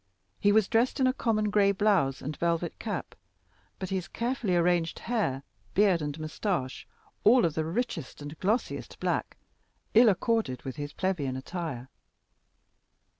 He was dressed in a common gray blouse and velvet cap, but his carefully arranged hair, beard and moustache, all of the richest and glossiest black, ill accorded with his plebeian attire.